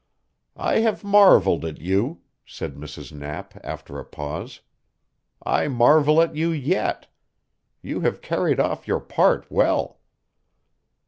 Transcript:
"I have marveled at you," said Mrs. Knapp after a pause. "I marvel at you yet. You have carried off your part well."